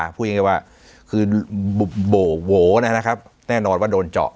คุยอย่างเงี้ยว่าคือโบโหนะครับแน่นอนว่าโดนเจาะ